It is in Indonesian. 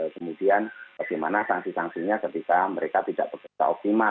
kemudian bagaimana sanksi sanksinya ketika mereka tidak bekerja optimal